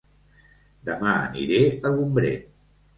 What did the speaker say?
Dema aniré a Gombrèn